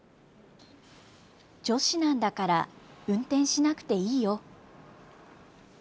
女子なんだから運転しなくていいよ。